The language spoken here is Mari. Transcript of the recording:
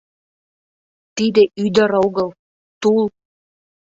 Тиде ӱдыр огыл — тул.